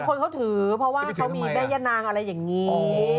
คนเขาถือเพราะว่าเขามีแม่ย่านางอะไรอย่างนี้